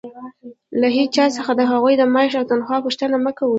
له هيچا څخه د هغوى د معاش او تنخوا پوښتنه مه کوئ!